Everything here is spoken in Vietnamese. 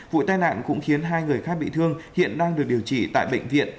vụ tai nạn cũng khiến hai người khác bị thương hiện đang được điều trị tại bệnh viện